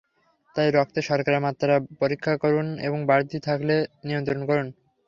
তাই রক্তে শর্করার মাত্রা পরীক্ষা করুন এবং বাড়তি থাকলে নিয়ন্ত্রণ করুন।